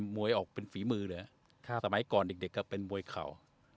มวยออกเป็นฝีมือเลยสมัยก่อนเด็กก็เป็นมวยเข่า